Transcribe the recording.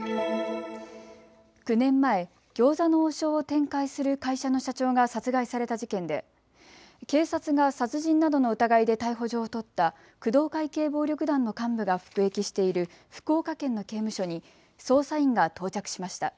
９年前、餃子の王将を展開する会社の社長が殺害された事件で警察が殺人などの疑いで逮捕状を取った工藤会系暴力団の幹部が服役している福岡県の刑務所に捜査員が到着しました。